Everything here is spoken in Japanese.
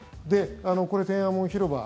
これ、天安門広場